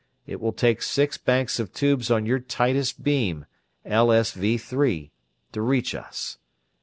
It will take six banks of tubes on your tightest beam, LSV3, to reach us.